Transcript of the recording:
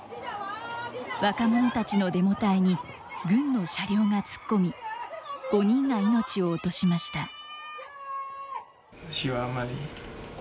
若者たちのデモ隊に軍の車両が突っ込み、５人が命を落としました。